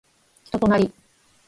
人となり